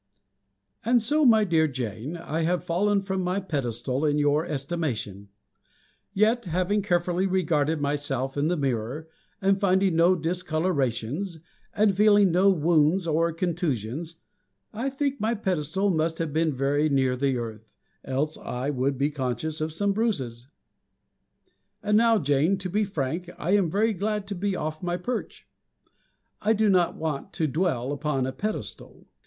_ And so, my dear Jane, I have fallen from my pedestal, in your estimation. Yet, having carefully regarded myself in the mirror, and finding no discolorations, and feeling no wounds or contusions, I think my pedestal must have been very near the earth, else I would be conscious of some bruises. And now, Jane, to be frank, I am very glad to be off my perch. I do not want to dwell upon a pedestal.